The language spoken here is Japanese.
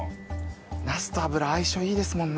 ナスと油相性いいですもんね。